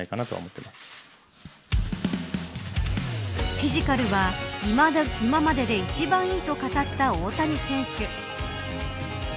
フィジカルは今までで一番いいと語った大谷選手。